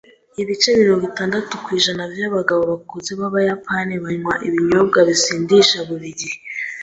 Ibice mirongo itandatu kw'ijana vy'abagabo bakuze b'Abayapani banywa ibinyobwa bisindisha buri gihe